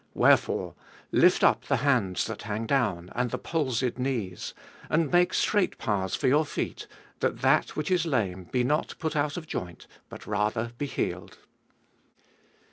12. "Wherefore, lift up the hands that hang down, and the palsied knees ; 13. And ;make straight paths for your feet, that that which is lame be not put out of joint, but rather be healed.